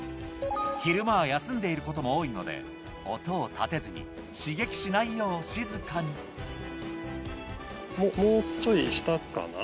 昼間は休んでいることも多いので音を立てずに刺激しないよう静かにもうちょい下かな。